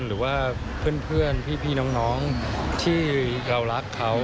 หรือว่าเพื่อนพี่น้องที่เรารักเขา